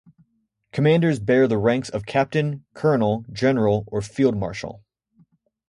Commanders bear the ranks of captain, colonel, general or field marshal.